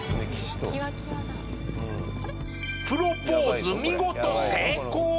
プロポーズ見事成功！